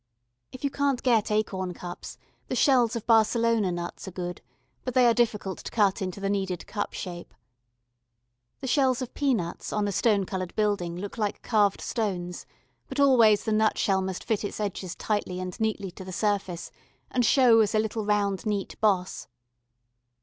If you can't get acorn cups, the shells of Barcelona nuts are good, but they are difficult to cut into the needed cup shape. The shells of pea nuts on a stone coloured building look like carved stones, but always the nutshell must fit its edges tightly and neatly to the surface and show as a little round neat boss.